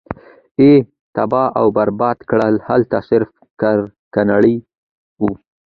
ئي تباه او برباد کړې!! هلته صرف کرکنړي او